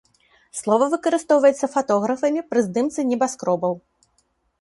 Слова выкарыстоўваецца фатографамі пры здымцы небаскробаў.